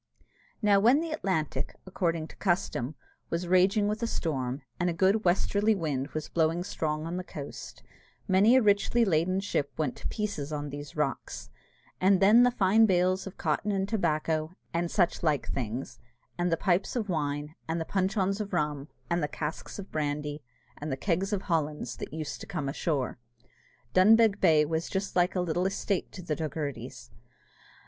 Now when the Atlantic, according to custom, was raging with a storm, and a good westerly wind was blowing strong on the coast, many a richly laden ship went to pieces on these rocks; and then the fine bales of cotton and tobacco, and such like things, and the pipes of wine, and the puncheons of rum, and the casks of brandy, and the kegs of Hollands that used to come ashore! Dunbeg Bay was just like a little estate to the Doghertys.